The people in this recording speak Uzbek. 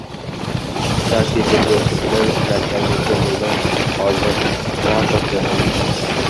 Starshiy tergovchi bilan nachalnikka bugun, hozir raport yozaman!